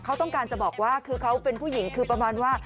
เขาต้องการจะบอกว่าคือเขาเป็นผู้หญิงคือประมาณว่า